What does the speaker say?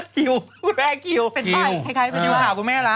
คิวแม่คิวคิวหาบุญแม่ละ